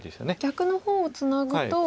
逆の方をツナぐと。